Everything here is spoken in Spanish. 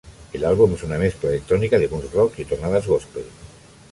El álbum es una mezcla de electrónica, bounce, rock y tonadas "gospel".